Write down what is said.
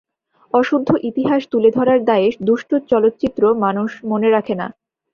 অশুদ্ধ ইতিহাস তুলে ধরার দায়ে দুষ্ট চলচ্চিত্র মানুষ মনে রাখে না।